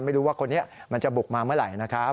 ไม่รู้ว่าคนนี้มันจะบุกมาเมื่อไหร่นะครับ